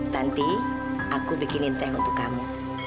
nanti aku bikinin teh untuk kamu